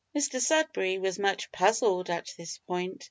Mr Sudberry was much puzzled at this point.